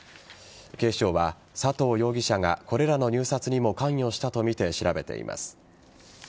警視庁は、佐藤容疑者がこれらの入札にも関与したとみて調べています。